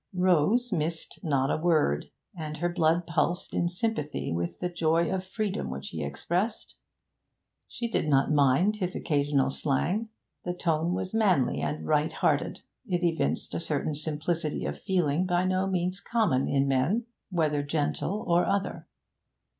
Rose missed not a word, and her blood pulsed in sympathy with the joy of freedom which he expressed. She did not mind his occasional slang; the tone was manly and right hearted; it evinced a certain simplicity of feeling by no means common in men, whether gentle or other.